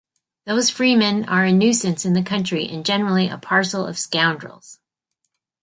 Those freemen are a nuisance in the Country and generally a parcel of scoundrels.